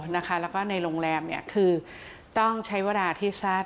แล้วก็ในโรงแรมคือต้องใช้เวลาที่สั้น